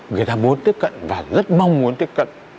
người ta muốn tiếp cận và rất mong muốn tiếp cận